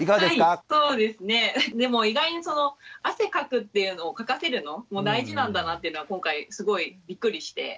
でも意外に汗かくっていうのをかかせるのも大事なんだなっていうのは今回すごいびっくりして。